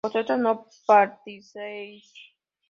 vosotras no partieseis